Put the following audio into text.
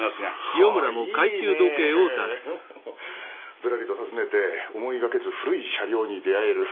ぶらりと訪ねて思いがけず古い車両に出会える。